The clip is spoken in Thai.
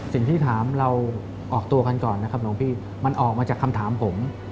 สิ่งที่ถามเราออกตัวกันก่อนนะครับหลวงพี่มันออกมาจากคำถามผม